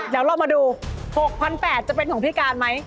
เดี๋ยวเรามาดู๖๘๐๐จะเป็นของพี่การไหม